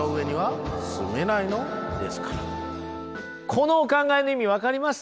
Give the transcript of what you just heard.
このお考えの意味分かります？